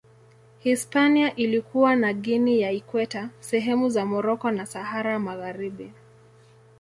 Hispania ilikuwa na Guinea ya Ikweta, sehemu za Moroko na Sahara Magharibi.